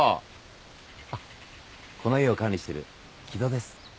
あっこの家を管理してる木戸です。